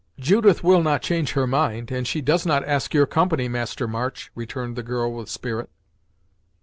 "Judith will not change her mind, and she does not ask your company, Master March," returned the girl with spirit.